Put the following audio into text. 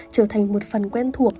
trở thành một phần quen thuộc